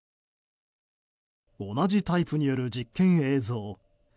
同じタイプによる実験映像。